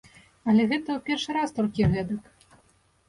Але гэта ў першы раз толькі гэтак.